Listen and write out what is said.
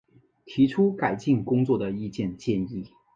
提出改进工作的意见建议